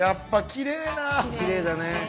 きれいだね。